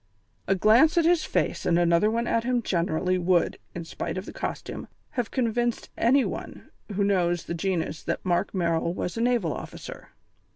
A glance at his face and another one at him generally would, in spite of the costume, have convinced any one who knows the genus that Mark Merrill was a naval officer.